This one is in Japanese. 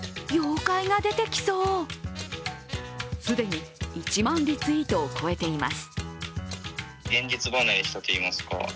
既に１万リツイートを超えています。